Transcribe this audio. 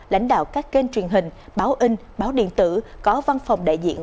lãnh đạo các kênh truyền hình báo in báo điện tử có văn phòng đại diện